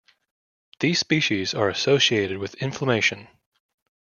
These species are associated with inflammation.